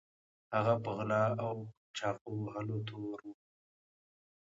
هغه په غلا او چاقو وهلو تورن و.